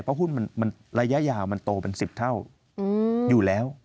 เพราะหุ้นมันระยะยาวมันโตเป็น๑๐เท่าอยู่แล้ว